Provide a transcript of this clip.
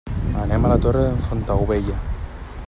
Anem a la Torre de Fontaubella.